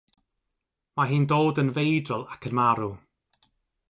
Mae hi'n dod yn feidrol ac yn marw.